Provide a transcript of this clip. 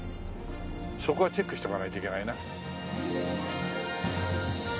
そこはチェックしておかないといけないな。